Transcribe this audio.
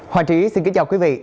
hòa trí xin kính chào quý vị